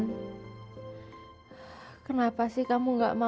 t b koc premium k dicama pen acarageri